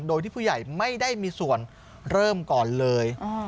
โดยที่ผู้ใหญ่ไม่ได้มีส่วนเริ่มก่อนเลย